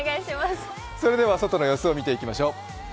それでは外の様子を見ていきましょう。